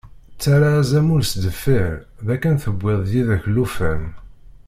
Ttarra azamul s deffir, dakken tewwiḍ-d yid-k llufan.